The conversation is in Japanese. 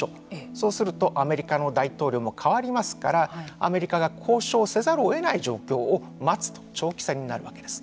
そうするとアメリカの大統領も代わりますからアメリカが交渉せざるを得ない状況を待つと長期戦になるわけです。